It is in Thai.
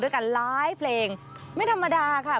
ด้วยกันไลฟ์เพลงไม่ธรรมดาค่ะ